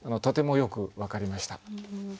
とてもよく分かりました。